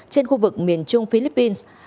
trên khu vực miền trung philippines